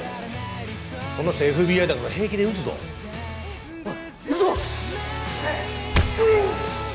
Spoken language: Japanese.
この人ＦＢＩだから平気で撃つぞおい行くぞっうっ！